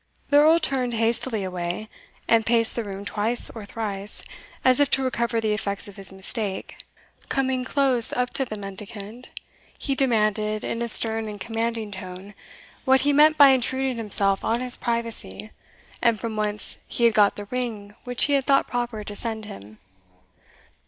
The Earl turned hastily away, and paced the room twice or thrice, as if to recover the effects of his mistake, and then, coming close up to the mendicant, he demanded, in a stern and commanding tone, what he meant by intruding himself on his privacy, and from whence he had got the ring which he had thought proper to send him.